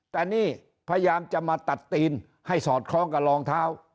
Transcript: แต่นี่พยายามจะมาตัดตีนให้สอดคล้องกับรองเท้า